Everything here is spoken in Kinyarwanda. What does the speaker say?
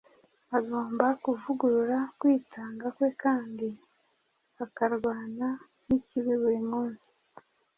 Agomba kuvugurura kwitanga kwe kandi akarwana n’ikibi buri munsi.